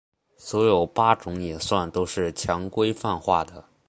所有八种演算都是强规范化的。